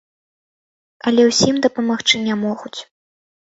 Але ўсім дапамагчы не могуць.